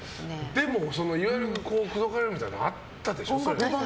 でも、いわゆる口説かれるとかあったでしょ。